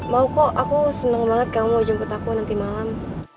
mau kok aku seneng banget kamu mau jemput aku nanti malem